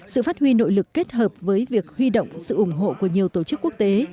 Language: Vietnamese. sự phát huy nội lực kết hợp với việc huy động sự ủng hộ của nhiều tổ chức quốc tế